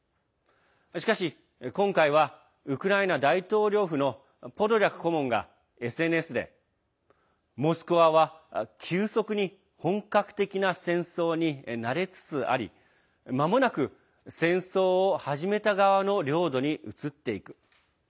しかし、今回はウクライナ大統領府のポドリャク顧問がＳＮＳでモスクワは急速に本格的な戦争に慣れつつありまもなく戦争を始めた側の領土に移っていく。